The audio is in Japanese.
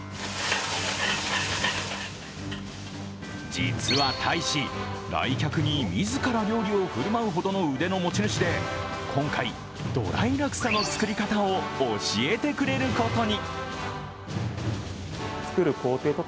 実は大使、来客に自ら料理を振る舞うほどの腕の持ち主で今回、ドライラクサの作り方を教えてくれることに。